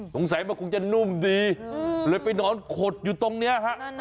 สงสัยมันคงจะนุ่มดีเลยไปนอนขดอยู่ตรงนี้ฮะ